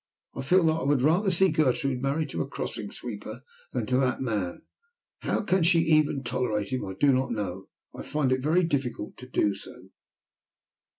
I feel that I would rather see Gertrude married to a crossing sweeper than to that man. How she can even tolerate him, I do not know. I find it very difficult to do so."